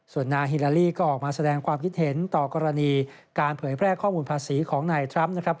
ส่วนนางฮิลาลีก็ออกมาแสดงความคิดเห็นต่อกรณีการเผยแพร่ข้อมูลภาษีของนายทรัมป์นะครับ